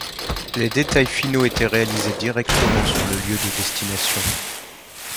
Les détails finaux étaient réalisés directement sur le lieu de destination.